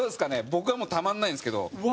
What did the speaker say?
僕はもうたまんないんですけど。